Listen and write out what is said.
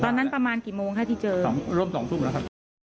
เพื่อนเชื่อมหาแล้วร่ม๒ทุ่บแล้วครับ